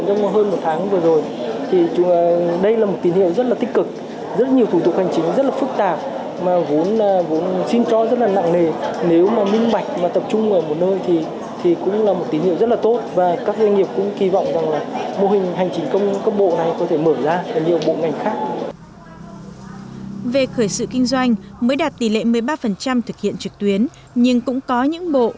về khởi sự kinh doanh mới đạt tỷ lệ một mươi ba thực hiện trực tuyến nhưng cũng có những bộ